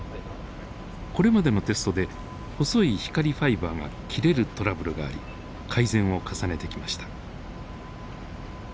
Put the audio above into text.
これまでのテストで細い光ファイバーが切れるトラブルがあり改善を重ねてきました。